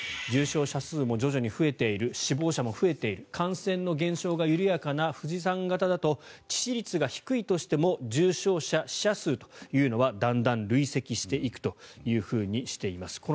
重症者数も徐々に増えている死亡者も増えている感染の減少が緩やかな富士山型だと致死率が低いとしても重症者、死者数というのはだんだん累積していくとしています。